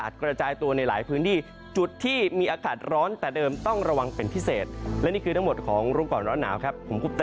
สวัสดีครับ